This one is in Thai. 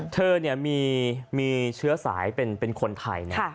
เธอมีเชื้อสายเป็นคนไทยนะ